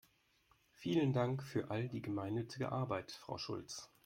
Vielen Dank für all die gemeinnützige Arbeit, Frau Schulz!